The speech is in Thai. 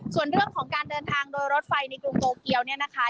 ส่วนเรื่องของการเดินทางโดยรถไฟในกรุงโตเกียวเนี่ยนะคะ